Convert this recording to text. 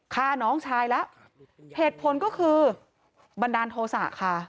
ฆ่าน้องชายแล้วเหตุผลก็คือบันดาลโทษะค่ะ